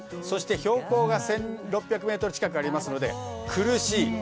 そして、標高が１６００ｍ近くありますので苦しい。